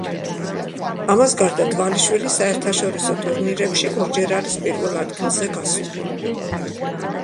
ამას გარდა, დვალიშვილი საერთაშორისო ტურნირებში ორჯერ არის პირველ ადგილზე გასული.